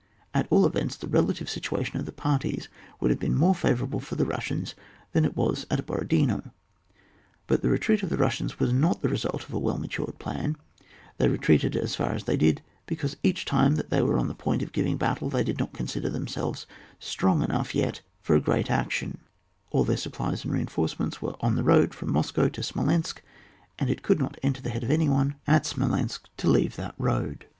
At all events, the relative situ ation of the parties would have been more favourable for the Bussians than it was at Borodino. But the retreat of the Bussians was not the result of a well matured plan; they retreated as far as they did because each time that they were on the point of giving battle they did not consider themselves strong enough yet for a great action ; all their supplies and reinforcements were on the road from Moscow to Smolensk, and it could not enter the head of anyone at 170 ON JFAB. [book VI. Smolensk to leaye that road.